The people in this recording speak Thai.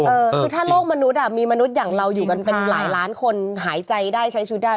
เออคือถ้าโลกมนุษย์มีมนุษย์อย่างเราอยู่กันเป็นหลายล้านคนหายใจได้ใช้ชีวิตได้